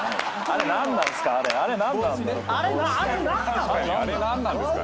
あれ何なんすかね？